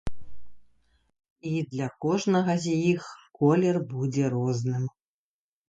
І для кожнага з іх колер будзе розным.